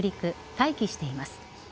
待機しています。